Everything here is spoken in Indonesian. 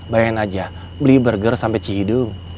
bayangin aja beli burger sampai cihidung